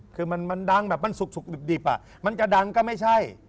คือมันดังแบบมันสุกดิบมันจะดังก็ไม่ใช่